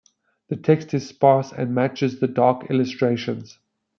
The text is sparse and matches the dark illustrations.